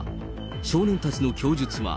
少年たちの供述は。